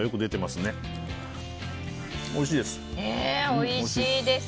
おいしいです。